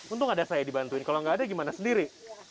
untung ada saya dibantuin kalau nggak ada gimana sendiri